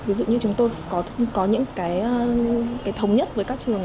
ví dụ như chúng tôi có những cái thống nhất với các trường